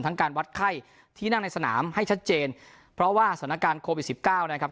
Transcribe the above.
การวัดไข้ที่นั่งในสนามให้ชัดเจนเพราะว่าสถานการณ์โควิดสิบเก้านะครับ